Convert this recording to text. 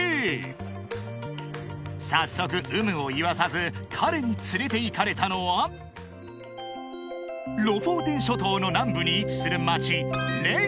［早速有無を言わさず彼に連れていかれたのはロフォーテン諸島の南部に位置する町］